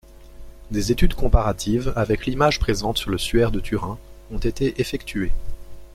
Des études comparatives avec l'image présente sur le suaire de Turin ont été effectuées.